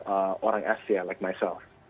untuk orang asia seperti saya